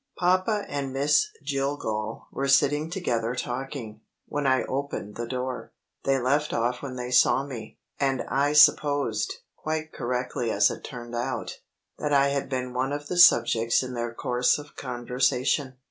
Papa and Miss Jillgall were sitting together talking, when I opened the door. They left off when they saw me; and I supposed, quite correctly as it turned out, that I had been one of the subjects in their course of conversation.